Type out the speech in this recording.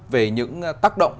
về những tác động